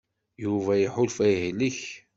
Yuba iḥulfa yehlek.